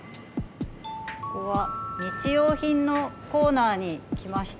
ここは日用品のコーナーに来ました。